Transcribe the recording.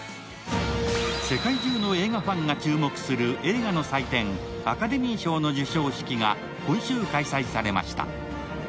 世界中の映画ファンが注目する映画の祭典、アカデミー賞の授賞式が今週開催されました。